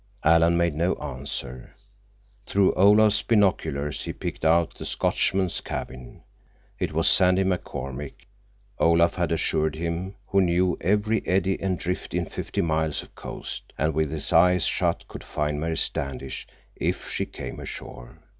Alan made no answer. Through Olaf's binoculars he picked out the Scotchman's cabin. It was Sandy McCormick, Olaf had assured him, who knew every eddy and drift in fifty miles of coast, and with his eyes shut could find Mary Standish if she came ashore.